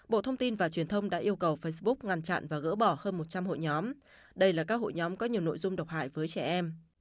bộ thông tin và truyền thông đã yêu cầu facebook ngăn chặn và gỡ bỏ hơn một trăm linh hội nhóm đây là các hội nhóm có nhiều nội dung độc hại với trẻ em